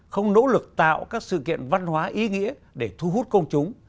không nỗ lực tạo các sự kiện văn hóa ý nghĩa để thu hút công chúng